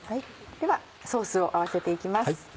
ではソースを合わせていきます。